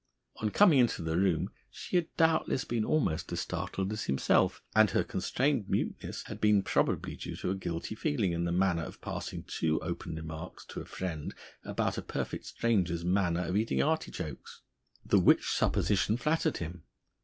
On coming into the room she had doubtless been almost as startled as himself, and her constrained muteness had been probably due to a guilty feeling in the matter of passing too open remarks to a friend about a perfect stranger's manner of eating artichokes. The which, supposition flattered him.